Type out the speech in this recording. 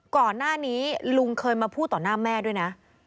ก่อนหน้านี้ลุงเคยมาพูดต่อหน้าแม่ด้วยนะ